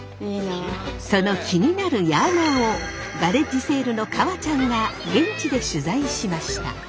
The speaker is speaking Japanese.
その気になるヤーナーをガレッジセールの川ちゃんが現地で取材しました。